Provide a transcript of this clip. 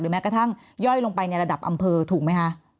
แม้กระทั่งย่อยลงไปในระดับอำเภอถูกไหมคะ